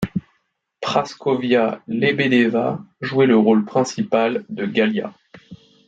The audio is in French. Praskovya Lebedeva jouait le rôle principal de Galia.